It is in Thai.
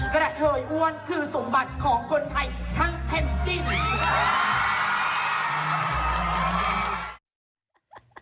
กระเทยอ้วนคือสมบัติของคนไทยทั้งเพ้มจิ้น